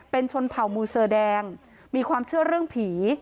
เป็นชนเผ่ามูเซอร์แดงมีความเชื่อเรื่องผี